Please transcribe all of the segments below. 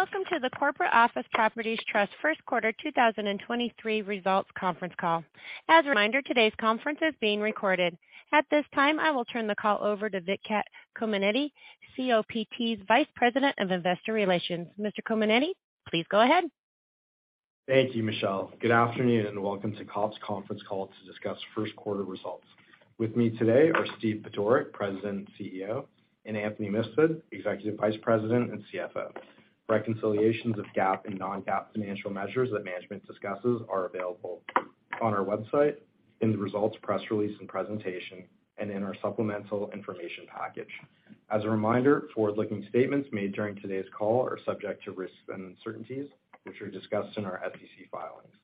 Welcome to the Corporate Office Properties Trust first quarter 2023 results conference call. As a reminder, today's conference is being recorded. At this time, I will turn the call over to Venkat Kommineni, COPT's Vice President of Investor Relations. Mr. Kommineni, please go ahead. Thank you, Michelle. Good afternoon, and welcome to COPT's conference call to discuss first quarter results. With me today are Steve Budorick, President and CEO, and Anthony Mifsud, Executive Vice President and CFO. Reconciliations of GAAP and non-GAAP financial measures that management discusses are available on our website in the results press release and presentation and in our supplemental information package. As a reminder, forward-looking statements made during today's call are subject to risks and uncertainties, which are discussed in our SEC filings.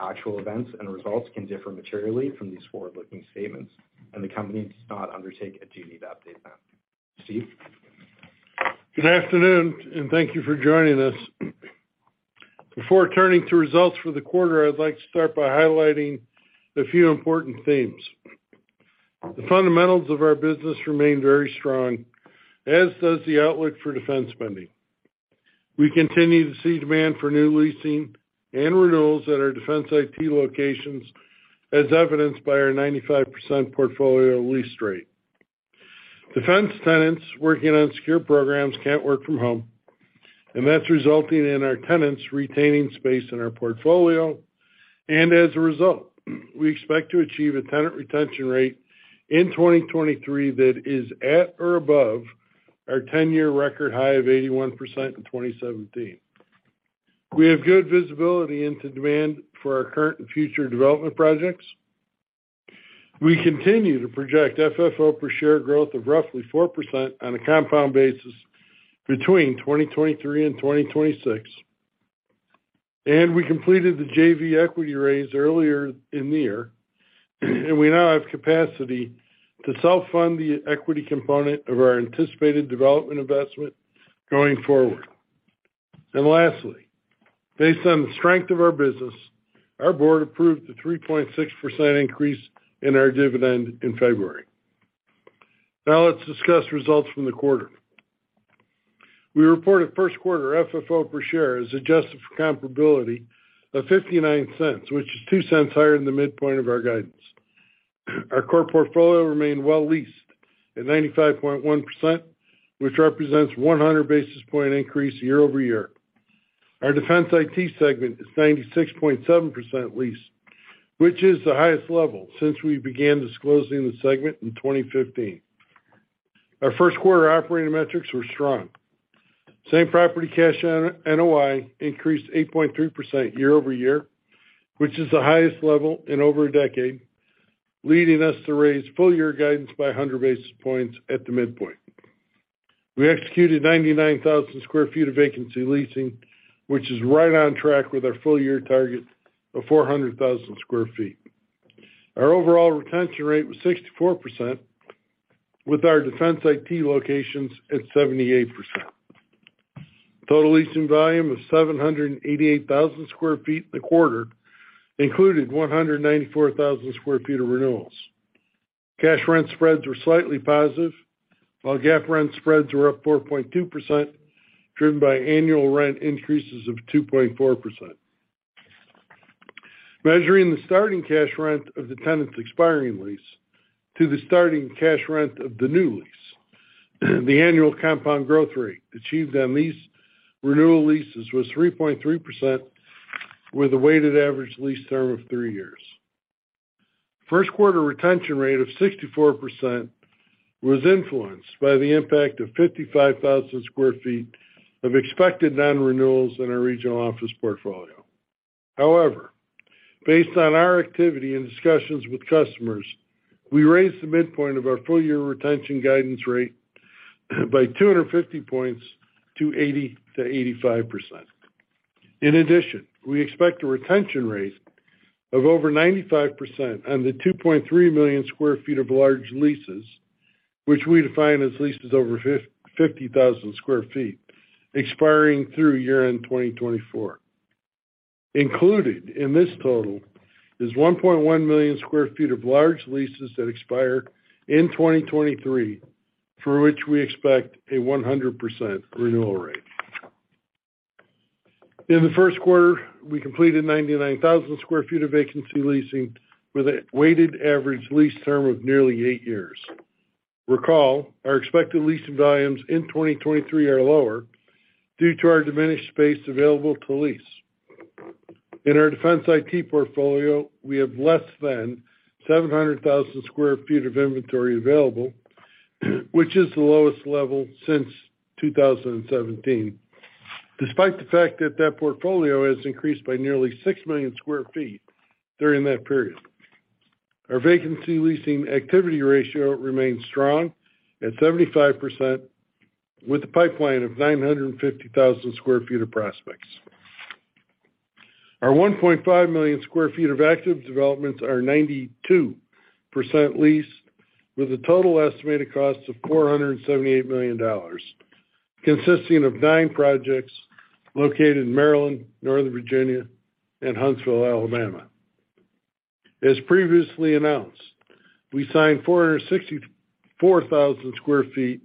Actual events and results can differ materially from these forward-looking statements, and the company does not undertake a duty to update them. Steve. Good afternoon, and thank you for joining us. Before turning to results for the quarter, I'd like to start by highlighting a few important themes. The fundamentals of our business remain very strong, as does the outlook for defense spending. We continue to see demand for new leasing and renewals at our Defense/IT locations, as evidenced by our 95% portfolio lease rate. Defense tenants working on secure programs can't work from home, and that's resulting in our tenants retaining space in our portfolio. As a result, we expect to achieve a tenant retention rate in 2023 that is at or above our 10-year record high of 81% in 2017. We have good visibility into demand for our current and future development projects. We continue to project FFO per share growth of roughly 4% on a compound basis between 2023 and 2026. We completed the JV equity raise earlier in the year, and we now have capacity to self-fund the equity component of our anticipated development investment going forward. Lastly, based on the strength of our business, our board approved the 3.6% increase in our dividend in February. Now let's discuss results from the quarter. We reported first quarter FFO per share as adjusted for comparability of $0.59, which is $0.02 higher than the midpoint of our guidance. Our core portfolio remained well leased at 95.1%, which represents 100 basis point increase year-over-year. Our Defense/IT segment is 96.7% leased, which is the highest level since we began disclosing the segment in 2015. Our first quarter operating metrics were strong. Same property cash out NOI increased 8.3% year-over-year, which is the highest level in over a decade, leading us to raise full year guidance by 100 basis points at the midpoint. We executed 99,000 sq ft of vacancy leasing, which is right on track with our full year target of 400,000 sq ft. Our overall retention rate was 64%, with our Defense/IT locations at 78%. Total leasing volume of 788,000 sq ft in the quarter included 194,000 sq ft of renewals. cash rent spreads were slightly positive, while GAAP rent spreads were up 4.2%, driven by annual rent increases of 2.4%. Measuring the starting cash rent of the tenant's expiring lease to the starting cash rent of the new lease, the annual compound growth rate achieved on these renewal leases was 3.3% with a weighted average lease term of three years. First quarter retention rate of 64% was influenced by the impact of 55,000 sq ft of expected non-renewals in our regional office portfolio. However, based on our activity and discussions with customers, we raised the midpoint of our full year retention guidance rate by 250 points to 80%-85%. In addition, we expect a retention rate of over 95% on the 2.3 million sq ft of large leases, which we define as leases over 50,000 sq ft expiring through year-end 2024. Included in this total is 1.1 million sq ft of large leases that expire in 2023, for which we expect a 100% renewal rate. In the first quarter, we completed 99,000 sq ft of vacancy leasing with a weighted average lease term of nearly eight years. Recall, our expected leasing volumes in 2023 are lower due to our diminished space available to lease. In our Defense/IT portfolio, we have less than 700,000 sq ft of inventory available, which is the lowest level since 2017, despite the fact that that portfolio has increased by nearly 6 million sq ft during that period. Our vacancy leasing activity ratio remains strong at 75%, with a pipeline of 950,000 sq ft of prospects. Our 1.5 million sq ft of active developments are 92% leased with a total estimated cost of $478 million, consisting of nine projects located in Maryland, Northern Virginia, and Huntsville, Alabama. As previously announced, we signed 464,000 sq ft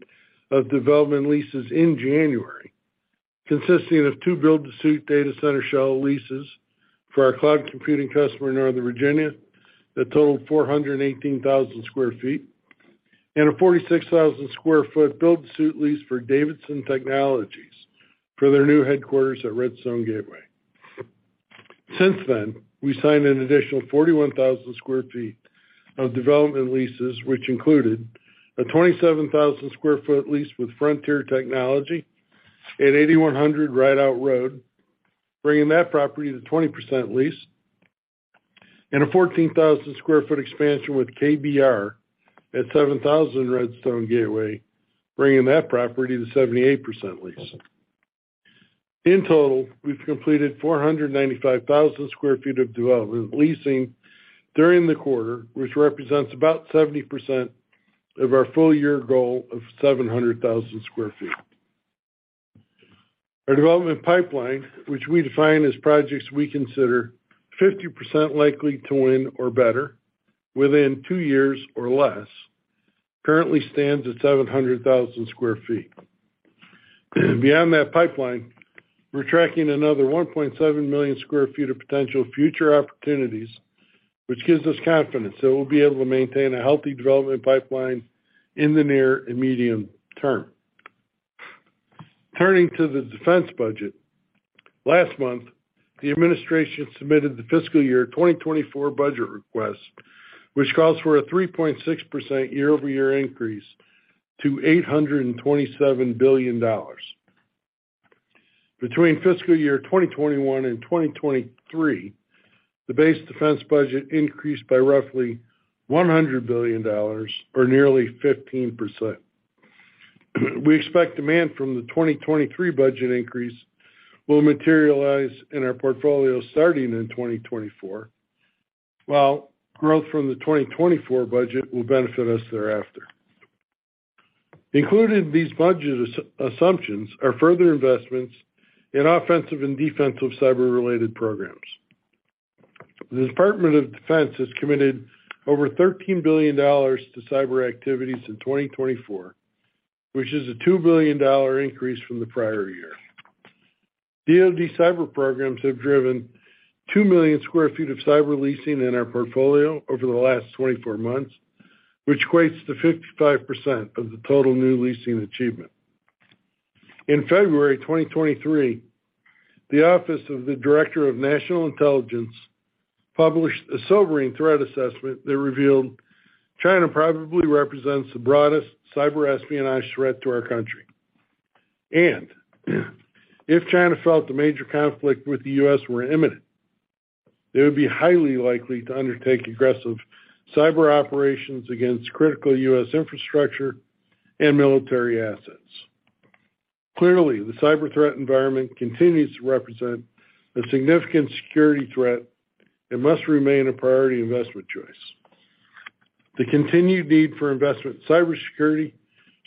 of development leases in January, consisting of two build-to-suit data center shell leases for our cloud computing customer in Northern Virginia that totaled 418,000 sq ft, and a 46,000 sq ft build-to-suit lease for Davidson Technologies for their new headquarters at Redstone Gateway. We signed an additional 41,000 square feet of development leases, which included a 27,000 square foot lease with Frontier Technology at 8100 Rideout Road, bringing that property to 20% lease, and a 14,000 square foot expansion with KBR at 7000 Redstone Gateway, bringing that property to 78% lease. In total, we've completed 495,000 square feet of development leasing during the quarter, which represents about 70% of our full year goal of 700,000 square feet. Our development pipeline, which we define as projects we consider 50% likely to win or better within two years or less, currently stands at 700,000 square feet. Beyond that pipeline, we're tracking another 1.7 million sq ft of potential future opportunities, which gives us confidence that we'll be able to maintain a healthy development pipeline in the near and medium term. Turning to the defense budget. Last month, the administration submitted the fiscal year 2024 budget request, which calls for a 3.6% year-over-year increase to $827 billion. Between fiscal year 2021 and 2023, the base defense budget increased by roughly $100 billion, or nearly 15%. We expect demand from the 2023 budget increase will materialize in our portfolio starting in 2024, while growth from the 2024 budget will benefit us thereafter. Included in these budget assumptions are further investments in offensive and defensive cyber related programs. The Department of Defense has committed over $13 billion to cyber activities in 2024, which is a $2 billion increase from the prior year. DoD cyber programs have driven 2 million sq ft of cyber leasing in our portfolio over the last 24 months, which equates to 55% of the total new leasing achievement. In February 2023, the Office of the Director of National Intelligence published a sobering threat assessment that revealed China probably represents the broadest cyber espionage threat to our country. If China felt a major conflict with the U.S. were imminent, they would be highly likely to undertake aggressive cyber operations against critical U.S. infrastructure and military assets. Clearly, the cyber threat environment continues to represent a significant security threat and must remain a priority investment choice. The continued need for investment in cybersecurity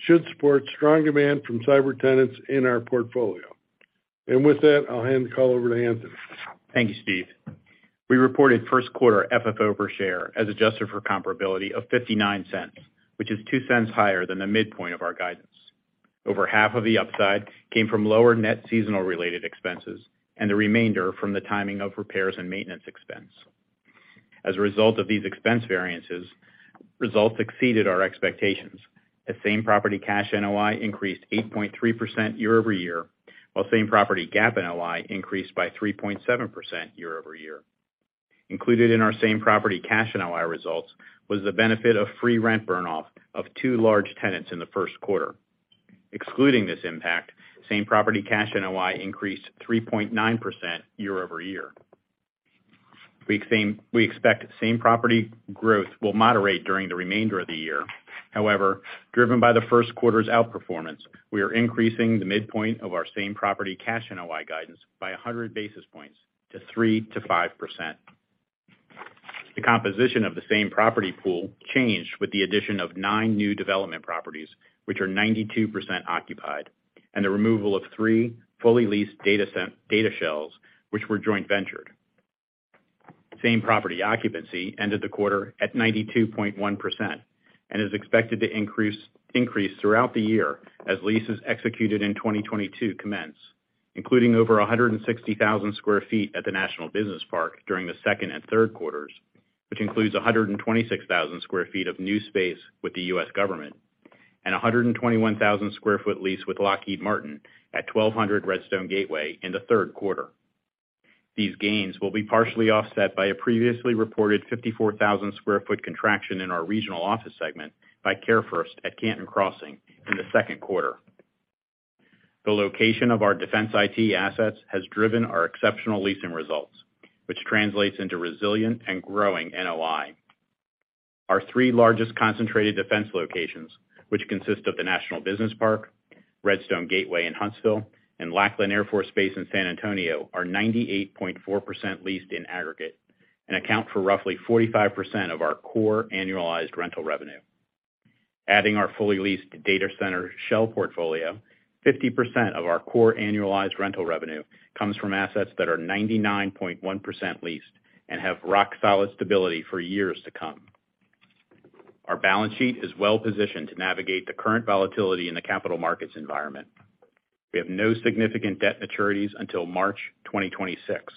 should support strong demand from cyber tenants in our portfolio. With that, I'll hand the call over to Anthony. Thank you, Steve. We reported first quarter FFO per share as adjusted for comparability of $0.59, which is $0.02 higher than the midpoint of our guidance. Over half of the upside came from lower net seasonal related expenses, and the remainder from the timing of repairs and maintenance expense. As a result of these expense variances, results exceeded our expectations. The same property cash NOI increased 8.3% year-over-year, while same property GAAP NOI increased by 3.7% year-over-year. Included in our same property cash NOI results was the benefit of free rent burn off of two large tenants in the first quarter. Excluding this impact, same property cash NOI increased 3.9% year-over-year. We expect same property growth will moderate during the remainder of the year. Driven by the first quarter's outperformance, we are increasing the midpoint of our same property cash NOI guidance by 100 basis points to 3%-5%. The composition of the same property pool changed with the addition of nine new development properties, which are 92% occupied, and the removal of three fully leased data shells, which were joint ventured. Same property occupancy ended the quarter at 92.1% and is expected to increase throughout the year as leases executed in 2022 commence, including over 160,000 sq ft at the National Business Park during the second and third quarters, which includes 126,000 sq ft of new space with the US government, and a 121,000 sq ft lease with Lockheed Martin at 1200 Redstone Gateway in the third quarter. These gains will be partially offset by a previously reported 54,000 square foot contraction in our regional office segment by CareFirst at Canton Crossing in the second quarter. The location of our defense IT assets has driven our exceptional leasing results, which translates into resilient and growing NOI. Our three largest concentrated defense locations, which consist of the National Business Park, Redstone Gateway in Huntsville, and Lackland Air Force Base in San Antonio, are 98.4% leased in aggregate and account for roughly 45% of our core annualized rental revenue. Adding our fully leased data center shell portfolio, 50% of our core annualized rental revenue comes from assets that are 99.1% leased and have rock solid stability for years to come. Our balance sheet is well positioned to navigate the current volatility in the capital markets environment. We have no significant debt maturities until March 2026.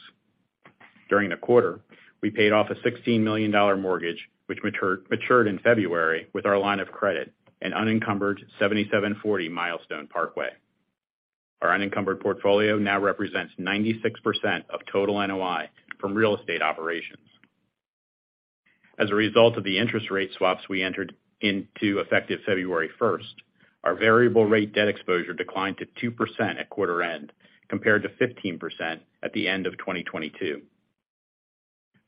During the quarter, we paid off a $16 million mortgage, which matured in February with our line of credit and unencumbered 7740 Milestone Parkway. Our unencumbered portfolio now represents 96% of total NOI from real estate operations. As a result of the interest rate swaps we entered into effective February 1st, our variable rate debt exposure declined to 2% at quarter end, compared to 15% at the end of 2022.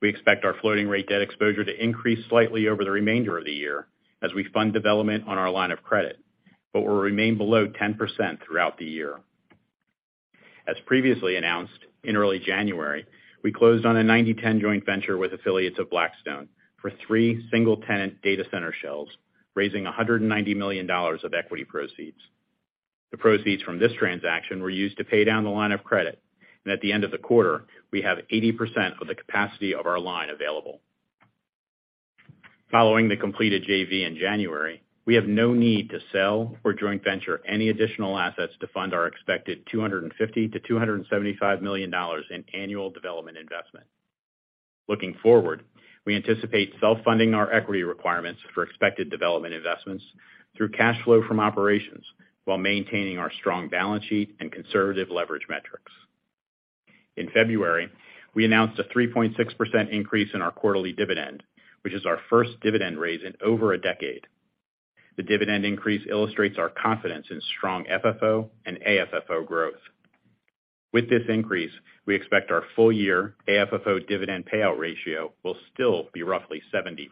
We expect our floating rate debt exposure to increase slightly over the remainder of the year as we fund development on our line of credit, but will remain below 10% throughout the year. As previously announced, in early January, we closed on a 90-10 joint venture with affiliates of Blackstone for three single-tenant data center shells, raising $190 million of equity proceeds. The proceeds from this transaction were used to pay down the line of credit, and at the end of the quarter, we have 80% of the capacity of our line available. Following the completed JV in January, we have no need to sell or joint venture any additional assets to fund our expected $250 million-$275 million in annual development investment. Looking forward, we anticipate self-funding our equity requirements for expected development investments through cash flow from operations while maintaining our strong balance sheet and conservative leverage metrics. In February, we announced a 3.6% increase in our quarterly dividend, which is our first dividend raise in over a decade. The dividend increase illustrates our confidence in strong FFO and AFFO growth. With this increase, we expect our full year AFFO dividend payout ratio will still be roughly 70%.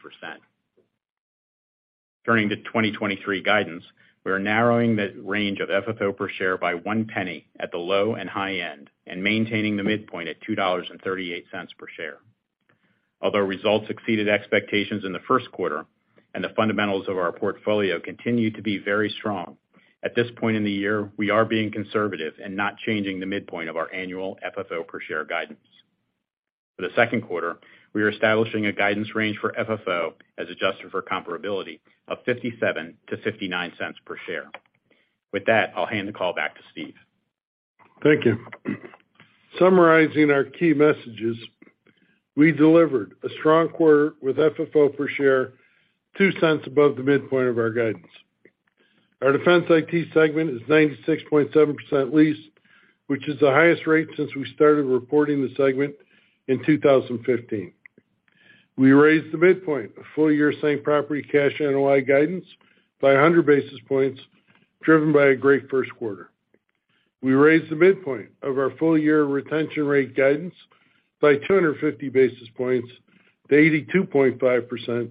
Turning to 2023 guidance, we are narrowing the range of FFO per share by $0.01 at the low and high end and maintaining the midpoint at $2.38 per share. Although results exceeded expectations in the first quarter and the fundamentals of our portfolio continue to be very strong, at this point in the year, we are being conservative and not changing the midpoint of our annual FFO per share guidance. For the second quarter, we are establishing a guidance range for FFO, as adjusted for comparability, of $0.57-$0.59 per share. With that, I'll hand the call back to Steve. Thank you. Summarizing our key messages, we delivered a strong quarter with FFO per share $0.02 above the midpoint of our guidance. Our Defense/IT segment is 96.7% leased, which is the highest rate since we started reporting the segment in 2015. We raised the midpoint of full year same property cash NOI guidance by 100 basis points, driven by a great first quarter. We raised the midpoint of our full year retention rate guidance by 250 basis points to 82.5%,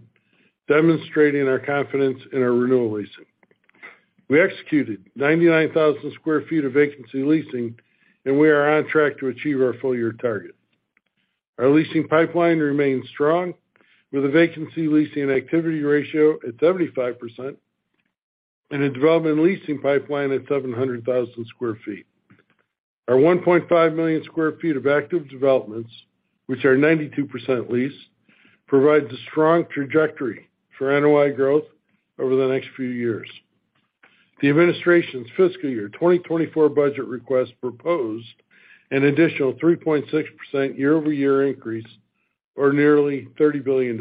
demonstrating our confidence in our renewal leasing. We executed 99,000 sq ft of vacancy leasing, and we are on track to achieve our full year target. Our leasing pipeline remains strong with a vacancy leasing activity ratio at 75% and a development leasing pipeline at 700,000 sq ft. Our 1.5 million square feet of active developments, which are 92% leased, provides a strong trajectory for NOI growth over the next few years. The administration's fiscal year 2024 budget request proposed an additional 3.6% year-over-year increase, or nearly $30 billion,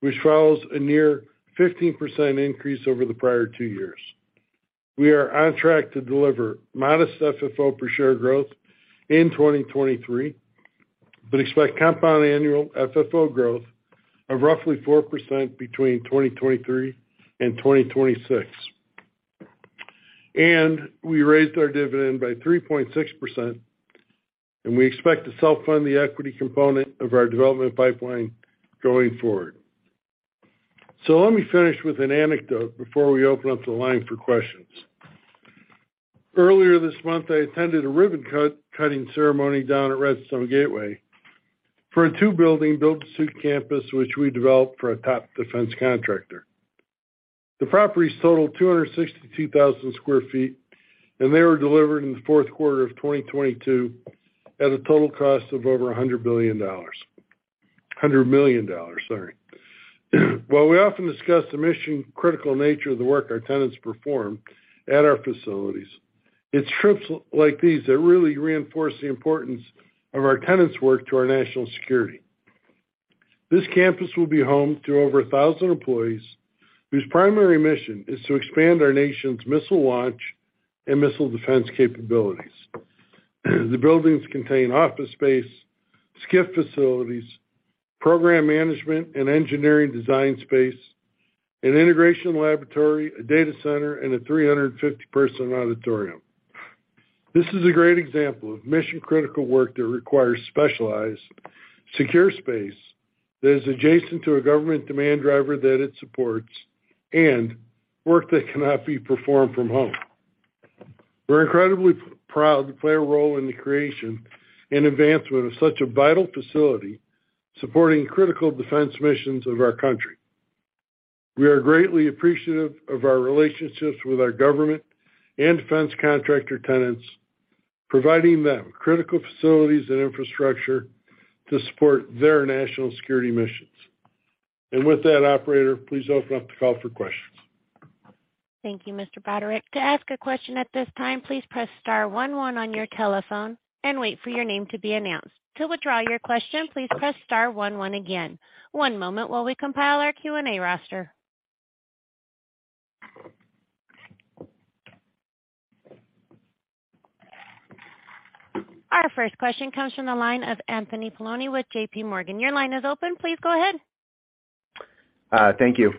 which follows a near 15% increase over the prior two years. We are on track to deliver modest FFO per share growth in 2023, but expect compound annual FFO growth of roughly 4% between 2023 and 2026. We raised our dividend by 3.6%, and we expect to self-fund the equity component of our development pipeline going forward. Let me finish with an anecdote before we open up the line for questions. Earlier this month, I attended a ribbon cut-cutting ceremony down at Redstone Gateway for a 2 building build-to-suit campus, which we developed for a top defense contractor. The properties totaled 262,000 sq ft, and they were delivered in the fourth quarter of 2022 at a total cost of over $100 billion. $100 million, sorry. While we often discuss the mission-critical nature of the work our tenants perform at our facilities, it's trips like these that really reinforce the importance of our tenants' work to our national security. This campus will be home to over 1,000 employees whose primary mission is to expand our nation's missile launch and missile defense capabilities. The buildings contain office space, SCIF facilities, program management and engineering design space, an integration laboratory, a data center, and a 350-person auditorium. This is a great example of mission-critical work that requires specialized, secure space that is adjacent to a government demand driver that it supports and work that cannot be performed from home. We're incredibly proud to play a role in the creation and advancement of such a vital facility supporting critical defense missions of our country. We are greatly appreciative of our relationships with our government and defense contractor tenants, providing them critical facilities and infrastructure to support their national security missions. With that, operator, please open up the call for questions. Thank you, Mr. Budorick. To ask a question at this time, please press star one one on your telephone and wait for your name to be announced. To withdraw your question, please press star one one again. One moment while we compile our Q&A roster. Our first question comes from the line of Anthony Paolone with J.P. Morgan. Your line is open. Please go ahead. Thank you.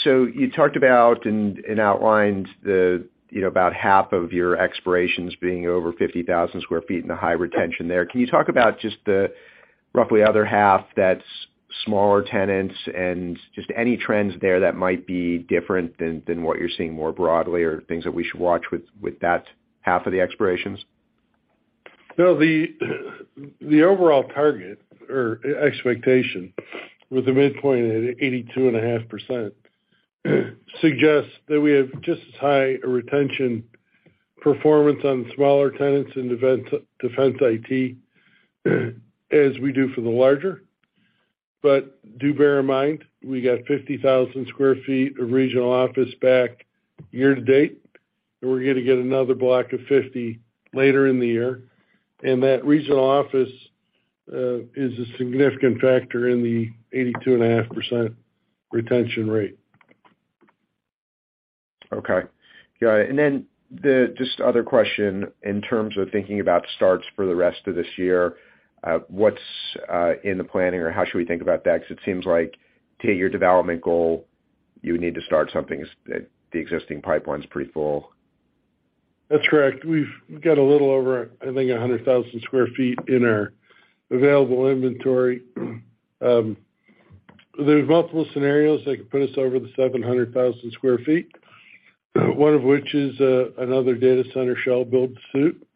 You talked about and outlined the, you know, about half of your expirations being over 50,000 square feet and the high retention there. Can you talk about just the roughly other half that's smaller tenants and just any trends there that might be different than what you're seeing more broadly or things that we should watch with that half of the expirations? No, the overall target or expectation with the midpoint at 82.5% suggests that we have just as high a retention performance on smaller tenants in Defense/IT as we do for the larger. Do bear in mind, we got 50,000 sq ft of regional office back year to date, and we're gonna get another block of 50 later in the year. That regional office is a significant factor in the 82.5% retention rate. Okay. Got it. Just other question in terms of thinking about starts for the rest of this year, what's in the planning or how should we think about that? It seems like to hit your development goal, you need to start something as the existing pipeline is pretty full. That's correct. We've got a little over, I think, 100,000 sq ft in our available inventory. There's multiple scenarios that could put us over the 700,000 sq ft, one of which is another data center shell build-to-suit,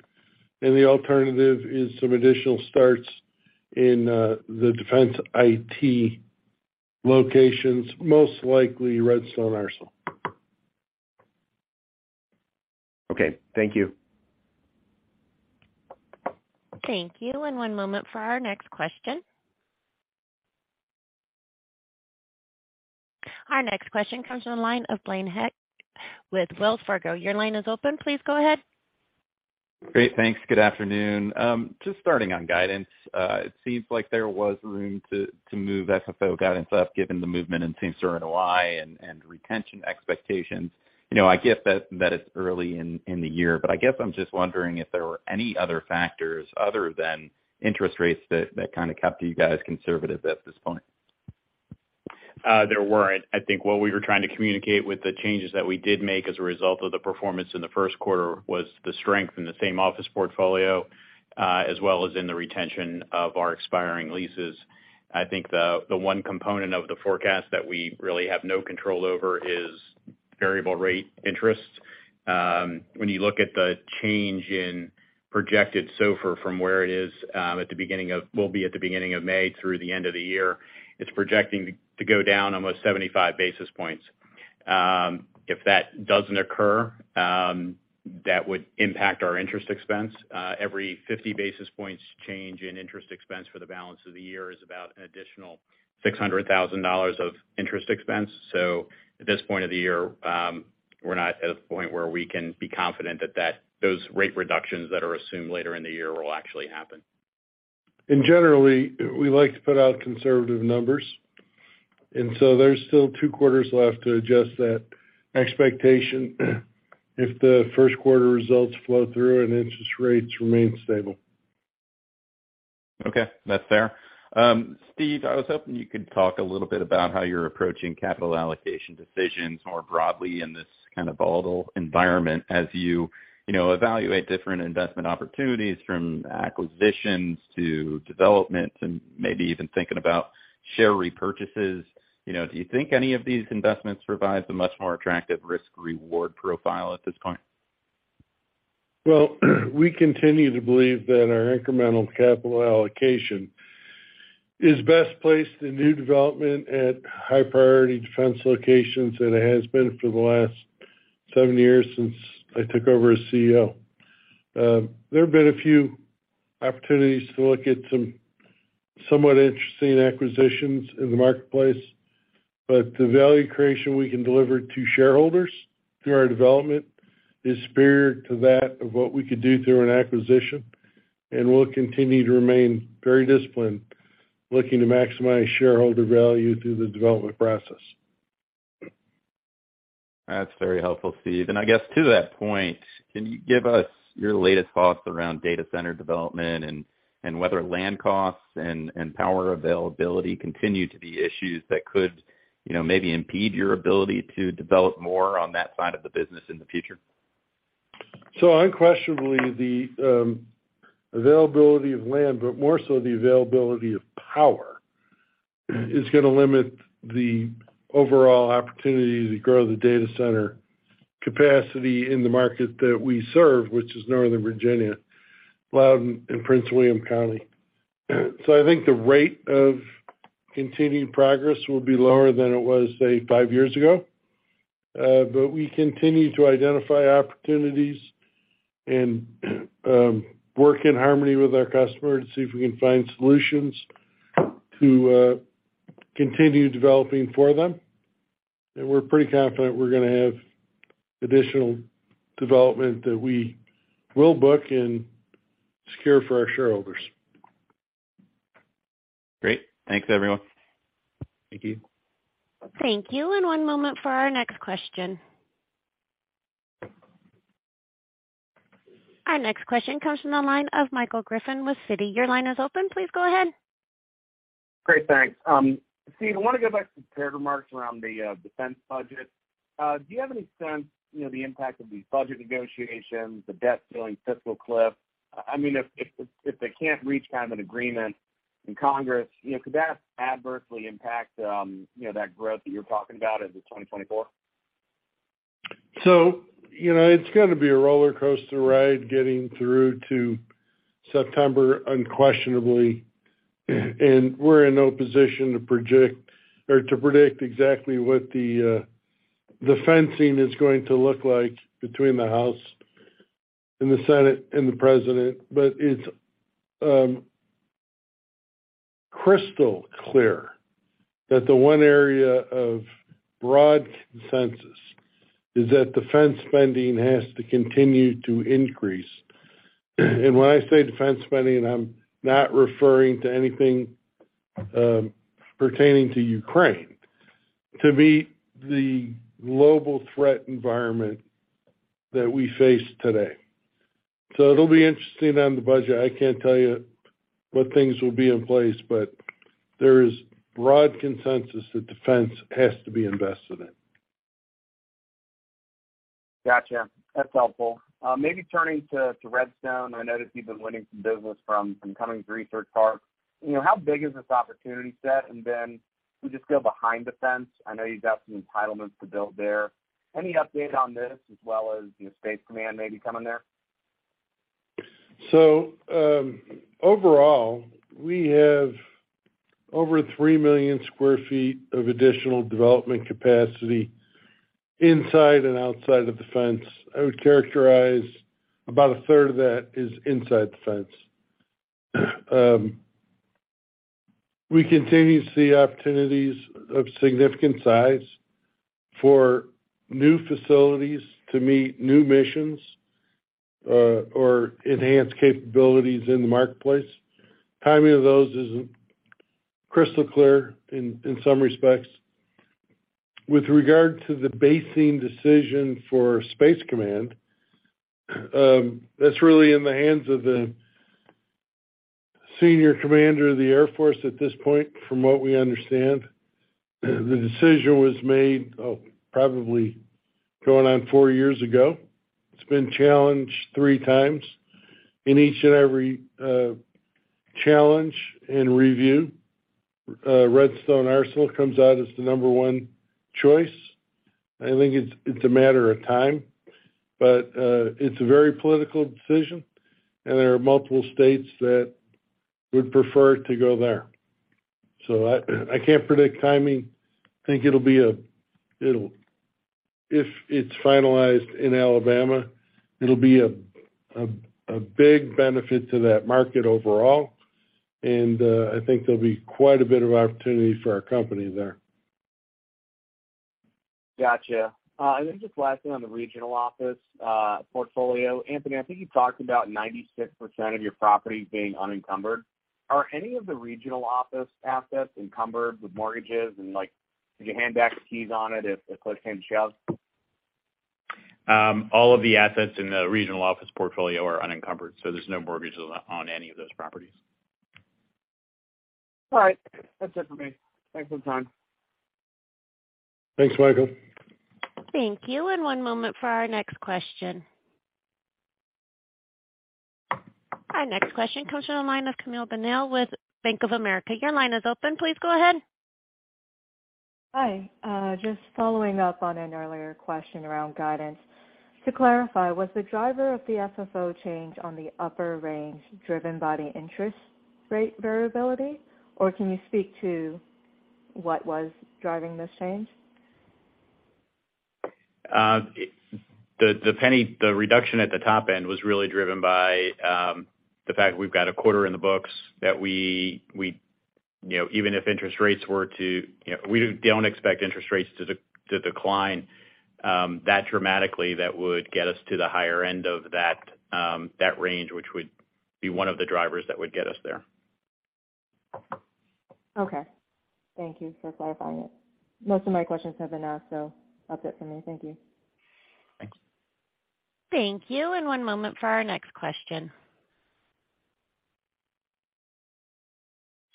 and the alternative is some additional starts in the Defense/IT locations, most likely Redstone Arsenal. Okay. Thank you. Thank you. One moment for our next question. Our next question comes from the line of Blaine Heck with Wells Fargo. Your line is open. Please go ahead. Great. Thanks. Good afternoon. Just starting on guidance, it seems like there was room to move FFO guidance up given the movement in same store NOI and retention expectations. You know, I get that it's early in the year, but I guess I'm just wondering if there were any other factors other than interest rates that kind of kept you guys conservative at this point. There weren't. I think what we were trying to communicate with the changes that we did make as a result of the performance in the first quarter was the strength in the same office portfolio, as well as in the retention of our expiring leases. I think the one component of the forecast that we really have no control over is variable rate interest. When you look at the change in projected SOFR from where it is, will be at the beginning of May through the end of the year, it's projecting to go down almost 75 basis points. If that doesn't occur, that would impact our interest expense. Every 50 basis points change in interest expense for the balance of the year is about an additional $600,000 of interest expense. At this point of the year, we're not at a point where we can be confident that those rate reductions that are assumed later in the year will actually happen. Generally, we like to put out conservative numbers, and so there's still two quarters left to adjust that expectation if the 1st quarter results flow through and interest rates remain stable. Okay, that's fair. Steve, I was hoping you could talk a little bit about how you're approaching capital allocation decisions more broadly in this kind of volatile environment as you know, evaluate different investment opportunities from acquisitions to development and maybe even thinking about share repurchases. You know, do you think any of these investments provide a much more attractive risk-reward profile at this point? We continue to believe that our incremental capital allocation is best placed in new development at high priority defense locations than it has been for the last seven years since I took over as CEO. There have been a few opportunities to look at some somewhat interesting acquisitions in the marketplace, but the value creation we can deliver to shareholders through our development is superior to that of what we could do through an acquisition, and we'll continue to remain very disciplined, looking to maximize shareholder value through the development process. That's very helpful, Steve. I guess to that point, can you give us your latest thoughts around data center development and whether land costs and power availability continue to be issues that could, you know, maybe impede your ability to develop more on that side of the business in the future? Unquestionably the availability of land, but more so the availability of power is gonna limit the overall opportunity to grow the data center capacity in the market that we serve, which is Northern Virginia, Loudoun and Prince William County. I think the rate of continued progress will be lower than it was, say, five years ago. We continue to identify opportunities and work in harmony with our customers to see if we can find solutions to continue developing for them. We're pretty confident we're gonna have additional development that we will book and secure for our shareholders. Great. Thanks, everyone. Thank you. Thank you. One moment for our next question. Our next question comes from the line of Michael Griffin with Citi. Your line is open. Please go ahead. Great. Thanks. Steve, I wanna go back to the prepared remarks around the defense budget. Do you have any sense, you know, the impact of these budget negotiations, the debt ceiling fiscal cliff? I mean, if they can't reach kind of an agreement in Congress, you know, could that adversely impact, you know, that growth that you're talking about into 2024? You know, it's gonna be a rollercoaster ride getting through to September, unquestionably. We're in no position to project or to predict exactly what the fencing is going to look like between the House and the Senate and the President. It's crystal clear that the one area of broad consensus is that defense spending has to continue to increase. When I say defense spending, I'm not referring to anything pertaining to Ukraine, to meet the global threat environment that we face today. It'll be interesting on the budget. I can't tell you what things will be in place, but there is broad consensus that defense has to be invested in. Gotcha. That's helpful. Maybe turning to Redstone, I noticed you've been winning some business from Cummings Research Park. You know, how big is this opportunity set? Can we just go behind the fence? I know you've got some entitlements to build there. Any update on this as well as, you know, Space Command maybe coming there? Overall, we have over 3 million square feet of additional development capacity inside and outside of the fence. I would characterize about a third of that is inside the fence. We continue to see opportunities of significant size for new facilities to meet new missions, or enhanced capabilities in the marketplace. Timing of those isn't crystal clear in some respects. With regard to the basing decision for Space Command, that's really in the hands of the senior commander of the Air Force at this point, from what we understand. The decision was made, probably going on four years ago. It's been challenged 3 times. In each and every challenge and review, Redstone Arsenal comes out as the number 1 choice. I think it's a matter of time, but, it's a very political decision, and there are multiple states that would prefer it to go there. I can't predict timing. I think it'll be if it's finalized in Alabama, it'll be a big benefit to that market overall. I think there'll be quite a bit of opportunity for our company there. Gotcha. Just last thing on the regional office portfolio. Anthony, I think you talked about 96% of your properties being unencumbered. Are any of the regional office assets encumbered with mortgages and, like, could you hand back the keys on it if the clip came to shelves? All of the assets in the regional office portfolio are unencumbered. There's no mortgages on any of those properties. All right. That's it for me. Thanks for the time. Thanks, Michael. Thank you. One moment for our next question. Our next question comes from the line of Camille Bonnel with Bank of America. Your line is open. Please go ahead. Hi. Just following up on an earlier question around guidance. To clarify, was the driver of the FFO change on the upper range driven by the interest rate variability, or can you speak to what was driving this change? The reduction at the top end was really driven by the fact that we've got a quarter in the books that we, you know, even if interest rates were to, you know, we don't expect interest rates to decline that dramatically, that would get us to the higher end of that range, which would be one of the drivers that would get us there. Okay. Thank you for clarifying it. Most of my questions have been asked, so that's it for me. Thank you. Thanks. Thank you. One moment for our next question.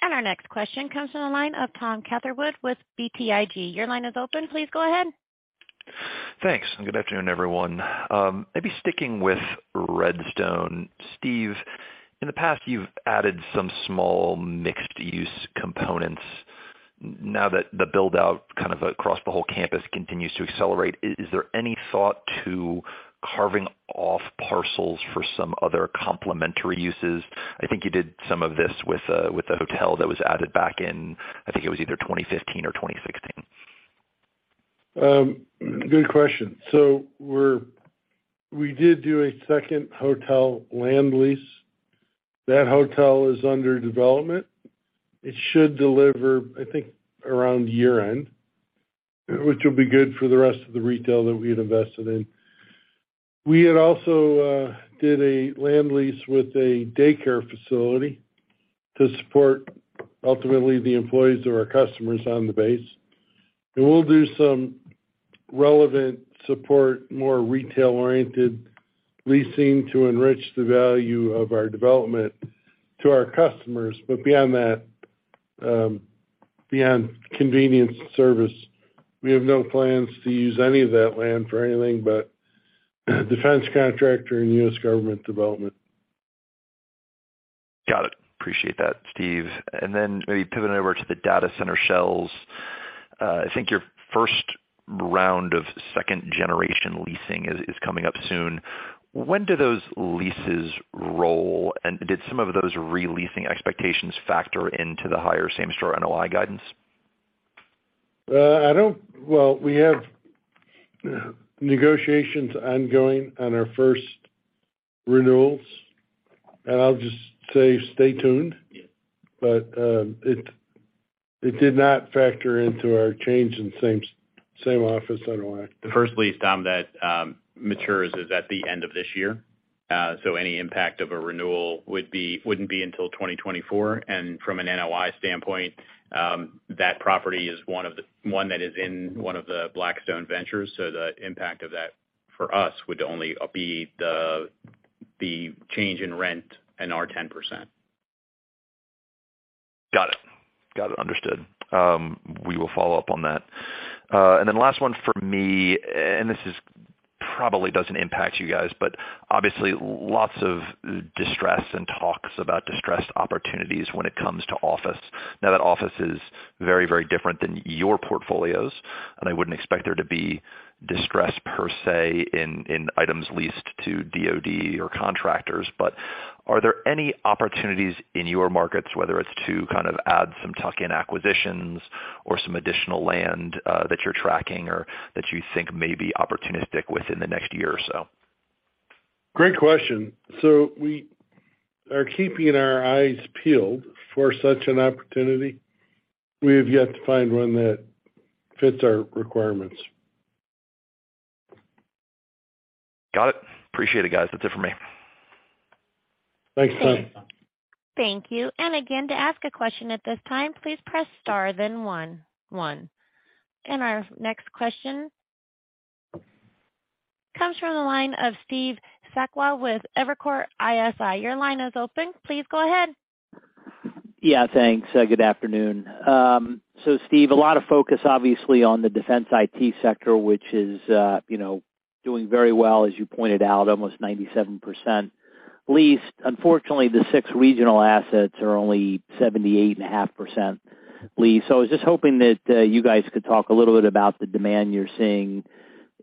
Our next question comes from the line of Tom Catherwood with BTIG. Your line is open. Please go ahead. Thanks. Good afternoon, everyone. Maybe sticking with Redstone. Steve, in the past, you've added some small mixed-use components. Now that the build-out kind of across the whole campus continues to accelerate, is there any thought to carving off parcels for some other complementary uses? I think you did some of this with the hotel that was added back in, I think it was either 2015 or 2016. Good question. We did do a second hotel land lease. That hotel is under development. It should deliver, I think, around year-end, which will be good for the rest of the retail that we had invested in. We had also did a land lease with a daycare facility to support, ultimately, the employees or our customers on the base. We'll do some relevant support, more retail-oriented leasing to enrich the value of our development to our customers. Beyond that, beyond convenience and service, we have no plans to use any of that land for anything but defense contractor and US government development. Got it. Appreciate that, Steve. Maybe pivoting over to the data center shells. I think your first round of second generation leasing is coming up soon. When do those leases roll? Did some of those re-leasing expectations factor into the higher same store NOI guidance? I don't. Well, we have negotiations ongoing on our first renewals. I'll just say stay tuned. It did not factor into our change in same office NOI. The first lease, Tom, that matures is at the end of this year. Any impact of a renewal wouldn't be until 2024. From an NOI standpoint, that property is one that is in one of the Blackstone ventures, so the impact of that for us would only be the change in rent and our 10%. Got it. Understood. We will follow up on that. Last one for me, this is probably doesn't impact you guys, but obviously lots of distress and talks about distressed opportunities when it comes to office. Now, that office is very, very different than your portfolios, and I wouldn't expect there to be distress per se in items leased to DoD or contractors. Are there any opportunities in your markets, whether it's to kind of add some tuck-in acquisitions or some additional land that you're tracking or that you think may be opportunistic within the next year or so? Great question. We are keeping our eyes peeled for such an opportunity. We have yet to find one that fits our requirements. Got it. Appreciate it, guys. That's it for me. Thanks. Thanks. Thank you. Again, to ask a question at this time, please press star then one. Our next question comes from the line of Steve Sakwa with Evercore ISI. Your line is open. Please go ahead. Yeah, thanks. Good afternoon. Steve, a lot of focus obviously on the Defense/IT sector, which is, you know, doing very well, as you pointed out, almost 97% leased. Unfortunately, the 6 regional assets are only 78.5% leased. I was just hoping that you guys could talk a little bit about the demand you're seeing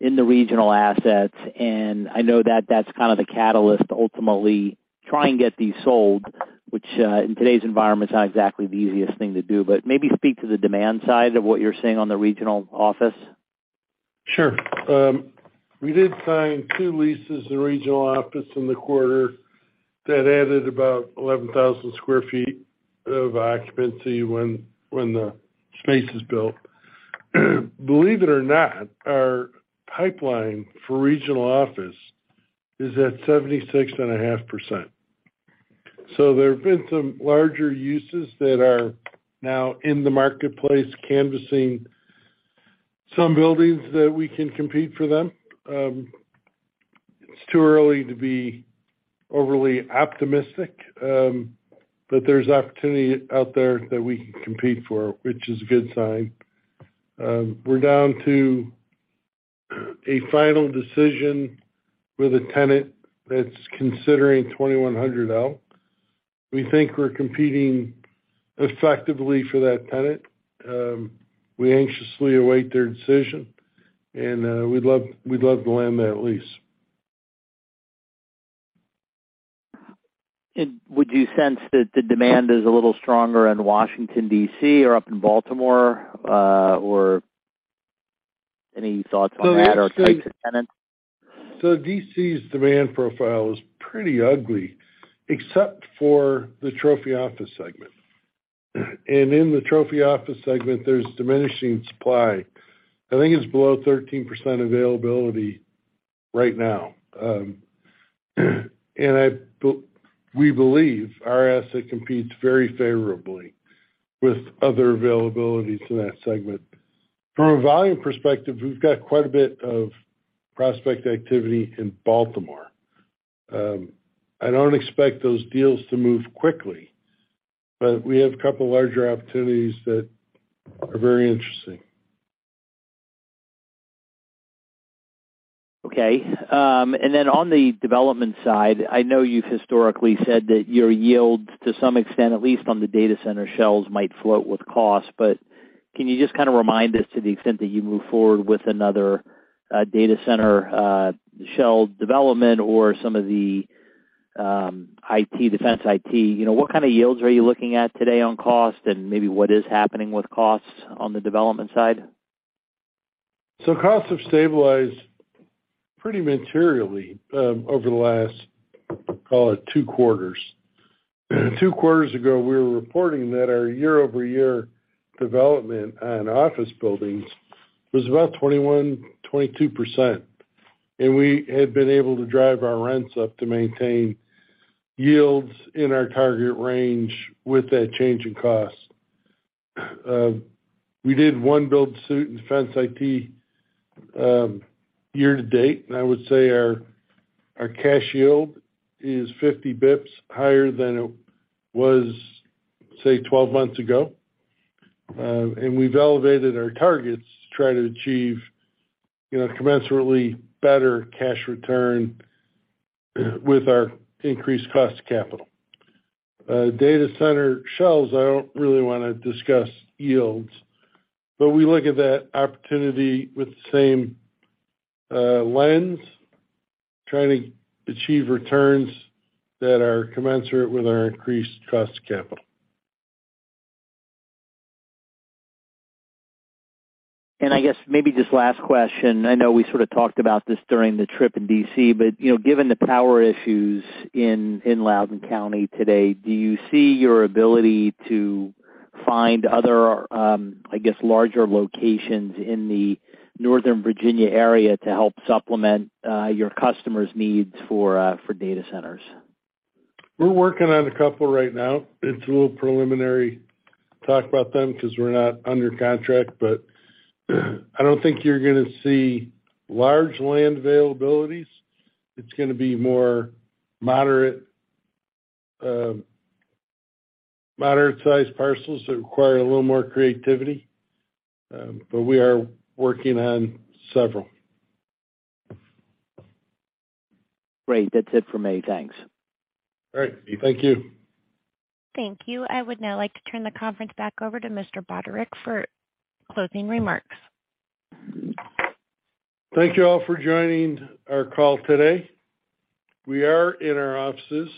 in the regional assets. I know that that's kind of the catalyst to ultimately try and get these sold, which in today's environment, is not exactly the easiest thing to do. Maybe speak to the demand side of what you're seeing on the regional office. Sure. We did sign two leases in regional office in the quarter that added about 11,000 sq ft of occupancy when the space is built. Believe it or not, our pipeline for regional office is at 76.5%. There have been some larger uses that are now in the marketplace canvassing some buildings that we can compete for them. It's too early to be overly optimistic, but there's opportunity out there that we can compete for, which is a good sign. We're down to a final decision with a tenant that's considering 2,100 L. We think we're competing effectively for that tenant. We anxiously await their decision, and we'd love to land that lease. would you sense that the demand is a little stronger in Washington, D.C. or up in Baltimore? Any thoughts on that or types of tenants? D.C.'s demand profile is pretty ugly, except for the trophy office segment. In the trophy office segment, there's diminishing supply. I think it's below 13% availability right now. We believe our asset competes very favorably with other availabilities in that segment. From a volume perspective, we've got quite a bit of prospect activity in Baltimore. I don't expect those deals to move quickly. But we have a couple larger opportunities that are very interesting. Okay. Then on the development side, I know you've historically said that your yields, to some extent, at least on the data center shells, might float with cost, but can you just kinda remind us to the extent that you move forward with another data center shell development or some of the IT, Defense IT? You know, what kind of yields are you looking at today on cost? Maybe what is happening with costs on the development side? Costs have stabilized pretty materially over the last, call it two quarters. Two quarters ago, we were reporting that our year-over-year development on office buildings was about 21%-22%. We have been able to drive our rents up to maintain yields in our target range with that change in cost. We did one build-to-suit in Defense/IT year-to-date. I would say our cash yield is 50 basis points higher than it was, say, 12 months ago. We've elevated our targets to try to achieve, you know, commensurately better cash return with our increased cost to capital. data center shells, I don't really wanna discuss yields. We look at that opportunity with the same lens, trying to achieve returns that are commensurate with our increased cost to capital. I guess maybe just last question. I know we sort of talked about this during the trip in D.C., but, you know, given the power issues in Loudoun County today, do you see your ability to find other, I guess, larger locations in the Northern Virginia area to help supplement your customers' needs for data centers? We're working on a couple right now. It's a little preliminary talk about them 'cause we're not under contract, but I don't think you're gonna see large land availabilities. It's gonna be more moderate-sized parcels that require a little more creativity. We are working on several. Great. That's it for me. Thanks. All right. Thank you. Thank you. I would now like to turn the conference back over to Mr. Budorick for closing remarks. Thank you all for joining our call today. We are in our offices,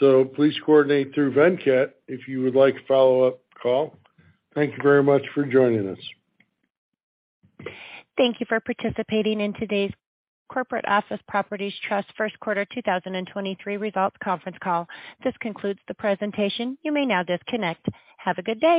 so please coordinate through Venkat if you would like a follow-up call. Thank you very much for joining us. Thank you for participating in today's Corporate Office Properties Trust First Quarter 2023 Results Conference Call. This concludes the presentation. You may now disconnect. Have a good day.